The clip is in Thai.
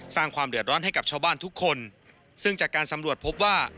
สร้างความเดือดร้อนให้กับชาวบ้านทุกคนซึ่งจากการสำรวจพบว่า